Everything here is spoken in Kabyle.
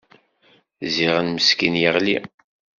Ziɣen meskin yeɣli.